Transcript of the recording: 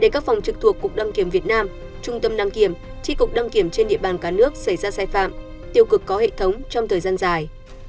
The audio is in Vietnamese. cục đăng kiểm việt nam trung tâm đăng kiểm chỉ cục đăng kiểm trên địa bàn cả nước xảy ra sai phạm tiêu cực có hệ thống trong thời gian dài